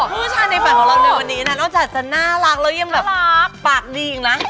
ผู้ชายในฝันของเราในวันนี้นะนอกจากจะน่ารักแล้วยังแบบรักปากดีอีกนะ